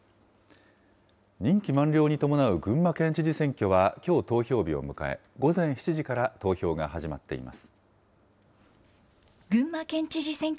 任期満了に伴う群馬県知事選挙は、きょう投票日を迎え、午前７時から投票が始まっています。